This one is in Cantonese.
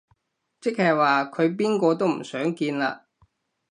即係話佢邊個都唔想見啦